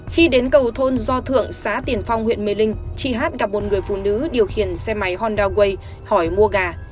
khi đến cầu thôn do thượng xã tiền phong huyện mê linh chị hát gặp một người phụ nữ điều khiển xe máy honda way hỏi mua gà